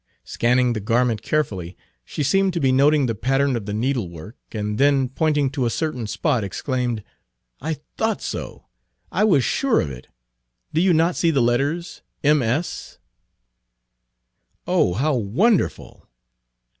Scanning the garment carefully, she seemed to be noting the pattern of the needlework, and then, pointing to a certain spot, exclaimed: Page 51 "I thought so! I was sure of it! Do you not see the letters M. S.?" "Oh, how wonderful!"